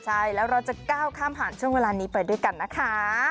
ใช่แล้วเราจะก้าวข้ามผ่านช่วงเวลานี้ไปด้วยกันนะคะ